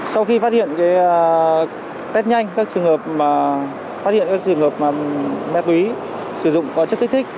sau khi phát hiện test nhanh phát hiện các trường hợp ma túy sử dụng có chất thích thích